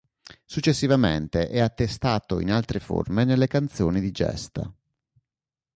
Successivamente è attestato in altre forme nelle "canzoni di gesta".